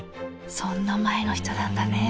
そんな前の人なんだね。